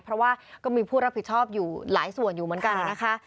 เพราะว่าก็มีผู้รับผิดชอบอยู่หลายส่วนอยู่เหมือนกันนะคะ